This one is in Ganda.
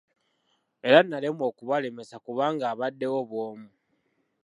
Era n'alemwa okubalemesa kubanga abaddewo bwomu.